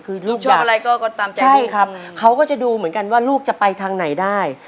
คือลูกอยากใช่ครับเขาก็จะดูเหมือนกันว่าลูกจะไปทางไหนได้